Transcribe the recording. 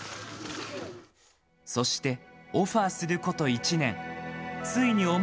そして、オファーすること１年。